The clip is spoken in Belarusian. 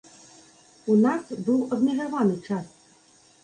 У нас быў абмежаваны час.